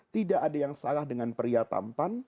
tidak ada yang salah dengan pria tampan